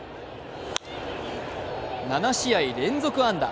７試合連続安打。